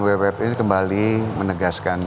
wwf ini kembali menegaskan